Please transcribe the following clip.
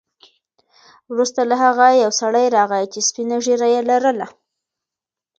وروسته له هغه یو سړی راغی چې سپینه ږیره یې لرله.